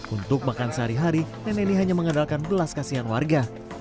untuk makan sehari hari nenek ini hanya mengandalkan belas kasihan warga